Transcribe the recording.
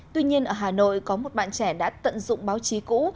tuy nhiên ở hà nội có một bạn trẻ đã tận dụng báo chí cũ